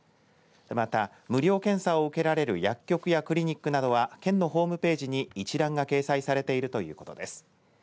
また、無料検査を受けられる薬局やクリニックなどは県のホームページに一覧が掲載されているということです。